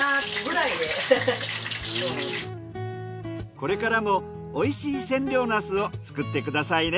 これからもおいしい千両なすを作ってくださいね。